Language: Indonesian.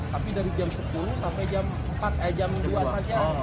tapi dari jam sepuluh sampai jam dua saja